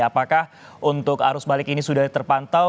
apakah untuk arus balik ini sudah terpantau